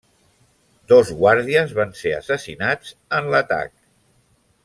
Dos guàrdies van ser assassinats en l'atac.